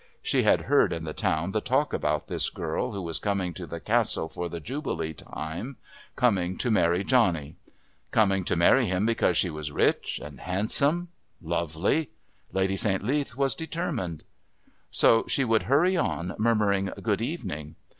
She had heard in the town the talk about this girl who was coming to the Castle for the Jubilee time, coming to marry Johnny. Coming to marry him because she was rich and handsome. Lovely. Lady St. Leath was determined.... So she would hurry on, murmuring "Good evening."